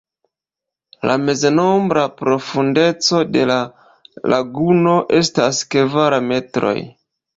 La meznombra profundeco de la laguno estas kvar metroj.